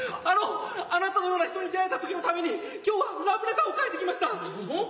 あのあなたのような人に出会えたときのために今日はラブレターを書いてきました。